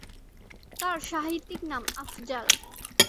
তাঁর সাহিত্যিক নাম ‘আফজাল’।